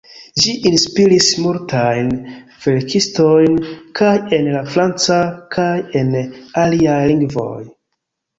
Ĝi inspiris multajn verkistojn kaj en la franca kaj en aliaj lingvoj.